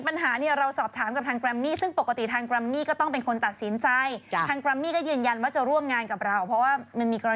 วัตถุประหลาดรูปสองคล้ายขนมโดนัทแปลว่าตรงกลางโบ๊ะ